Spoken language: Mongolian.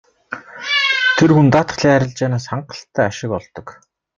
Тэр хүн даатгалын арилжаанаас хангалттай ашиг олдог.